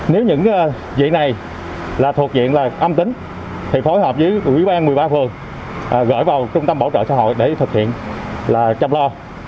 nếu những vị này là thuộc diện là âm tính thì phối hợp với quỹ ban một mươi ba phường gửi vào trung tâm bảo trợ xã hội để thực hiện là chăm lo